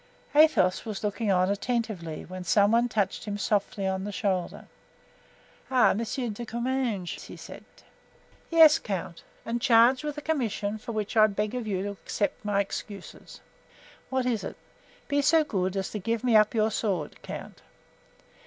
Athos was looking on attentively, when some one touched him softly on the shoulder. "Ah! Monsieur de Comminges," he said. "Yes, count, and charged with a commission for which I beg of you to accept my excuses." "What is it?" "Be so good as to give me up your sword, count."